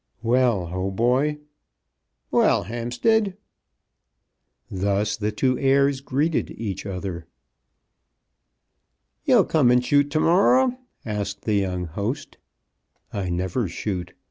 "Well, Hautboy." "Well, Hampstead." Thus the two heirs greeted each other. "You'll come and shoot to morrow?" asked the young host. "I never shoot.